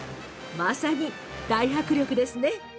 まさに大迫力ですね。